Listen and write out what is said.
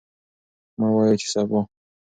مه وایئ چې سبا.